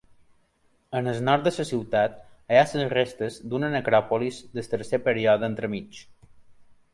Al nord de la ciutat hi ha les restes d'una necròpolis del tercer període entremig.